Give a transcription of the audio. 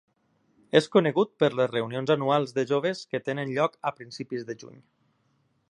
És conegut per les reunions anuals de joves que tenen lloc a principis de juny.